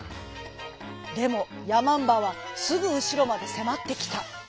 でもやまんばはすぐうしろまでせまってきた。